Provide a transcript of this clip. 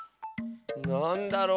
なんだろう。